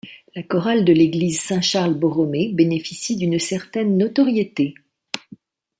La chorale de l'église Saint-Charles-Borromée bénéficie d'une certaine notoriété.